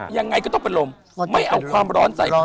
ยังไงก็ต้องเป็นลมไม่เอาความร้อนใส่